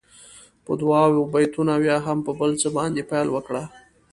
په دعاوو، بېتونو او یا هم په بل څه باندې پیل وکړه.